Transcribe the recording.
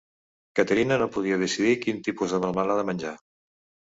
Katerina no podia decidir quin tipus de melmelada menjar.